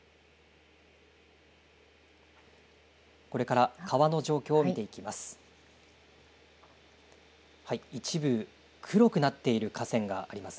これから川の状況を見ていきます。